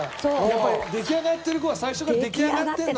やっぱり出来上がってる子は最初から出来上がってるのか。